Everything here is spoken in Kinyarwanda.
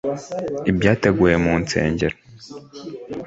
ibyateguwe mu nsengero